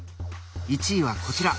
１位はこちら！